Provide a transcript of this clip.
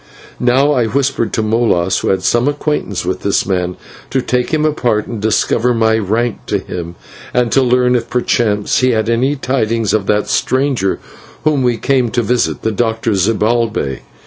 Now I whispered to Molas, who had some acquaintance with this man, to take him apart and discover my rank to him, and to learn if perchance he had any tidings of that stranger whom we came to visit, the doctor Zibalbay.